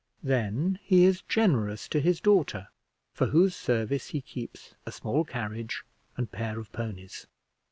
Then he is generous to his daughter, for whose service he keeps a small carriage and pair of ponies.